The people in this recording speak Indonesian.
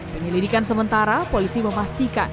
penyelidikan sementara polisi memastikan siti bekerja